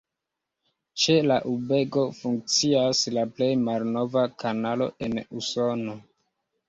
Ĉe la urbego funkcias la plej malnova kanalo en Usono.